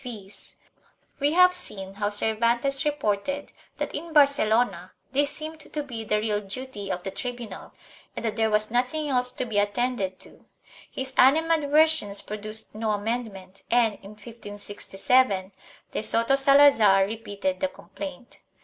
IV] EVILS OF THE SYSTEM 509 We have seen how Cervantes reported that in Barcelona this seemed to be the real duty of the tribunal and that there was nothing else to be attended to; his animadversions produced no amendment and, in 1567, de Soto Salazar repeated the complaint.